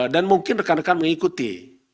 dan mungkin rekan rekan mengikuti